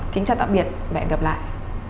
kính chào tạm biệt và hẹn gặp lại